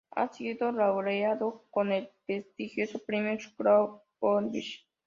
Ha sido laureado con el prestigioso Premio Shostakovich.